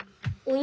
お！